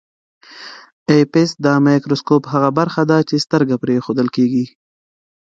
آی پیس د مایکروسکوپ هغه برخه ده چې سترګه پرې ایښودل کیږي.